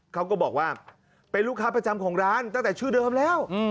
เขาก็บอกว่าเป็นลูกค้าประจำของร้านตั้งแต่ชื่อเดิมแล้ว